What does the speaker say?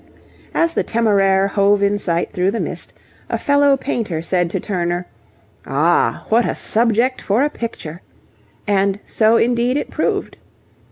As the Temeraire hove in sight through the mist, a fellow painter said to Turner: 'Ah, what a subject for a picture!' and so indeed it proved.